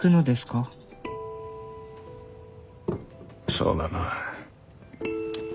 そうだな。